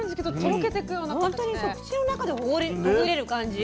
口の中でほぐれる感じ。